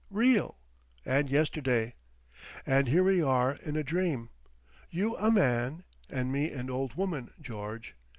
Real! And yesterday. And here we are in a dream. You a man—and me an old woman, George.